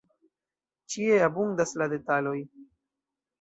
Ĉie abundas la detaloj.